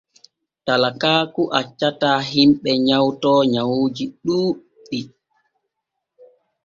Talakaaku accataa himɓe nyawto nyawuuji ɗuuɗɗi.